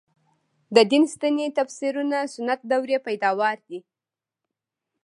د دین سنتي تفسیرونه سنت دورې پیداوار دي.